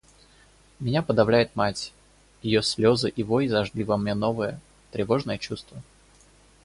Меня подавляет мать; ее слезы и вой зажгли во мне новое, тревожное чувство.